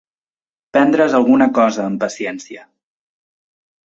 Prendre's alguna cosa amb paciència.